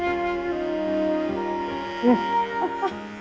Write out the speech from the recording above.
yang buatan gue lah